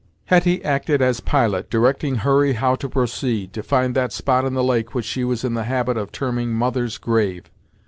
Hetty acted as pilot, directing Hurry how to proceed, to find that spot in the lake which she was in the habit of terming "mother's grave."